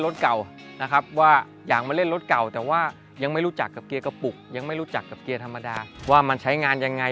ตำรวจมาถอยหลัง